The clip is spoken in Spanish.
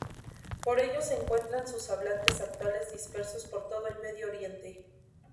Por ello se encuentran sus hablantes actuales dispersos por todo el Medio Oriente.